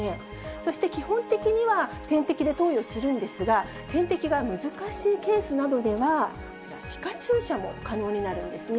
そして基本的には点滴で投与するんですが、点滴が難しいケースなどでは、こちら、皮下注射も可能になるんですね。